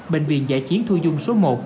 bệnh viện giải chiến thu dung số một